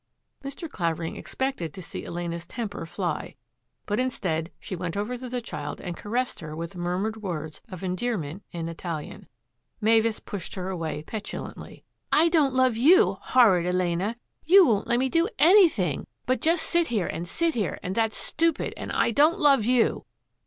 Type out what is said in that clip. Mr. Clavering expected to see Elena's temper fly, but instead she went over to the child and caressed her with murmured words of endearment in Italian. Mavis pushed her away petulantly. " I don't love you, horrid Elena ! You won't let me do any 158 THAT AFFAIR AT THE MANOR thing but just sit here and sit here, and that's stupid and I don't love you